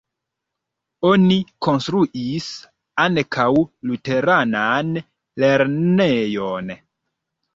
Oni konstruis ankaŭ luteranan lernejon.